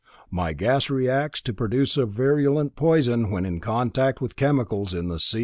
My gas reacts to produce a virulent poison when in contact with the chemicals in the C 32L.